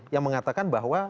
yang mengatakan bahwa